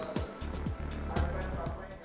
saya tidak perlu lagi